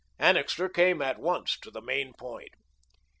Annixter came at once to the main point.